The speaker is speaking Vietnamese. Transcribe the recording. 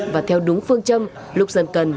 và theo đúng phương châm lúc dân cần